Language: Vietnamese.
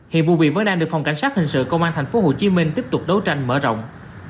hiện vụ việc vẫn đang được phòng cảnh sát hình sự công an tp hcm tiếp tục đấu tranh mở rộng